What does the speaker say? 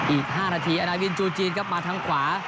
อีก๕นาทีอาณาวินจูจีนครับมาทางขวา